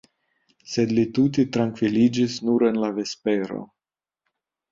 Sed li tute trankviliĝis nur en la vespero.